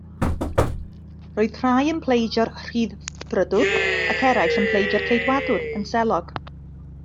Roedd rhai yn pleidio'r Rhyddfrydwr ac eraill yn pleidio'r Ceidwadwr yn selog.